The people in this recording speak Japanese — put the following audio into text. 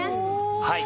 はい。